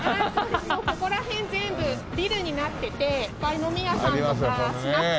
ここら辺全部ビルになってていっぱい飲み屋さんとかスナックとか。